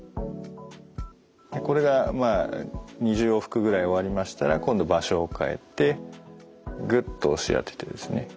これがまあ２０往復ぐらい終わりましたら今度場所を変えてグッと押し当ててですね